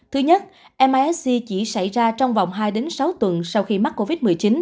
thứ nhất misc chỉ xảy ra trong vòng hai đến sáu tuần sau khi mắc covid một mươi chín